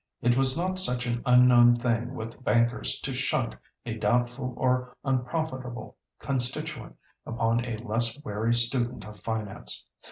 It was not such an unknown thing with bankers to "shunt" a doubtful or unprofitable constituent upon a less wary student of finance.